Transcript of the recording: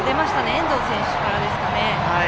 遠藤選手からですかね。